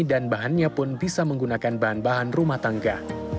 dan bahannya pun bisa menggunakan bahan bahan rumah tangga